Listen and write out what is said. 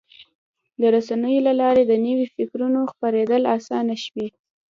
د رسنیو له لارې د نوي فکرونو خپرېدل اسانه شوي.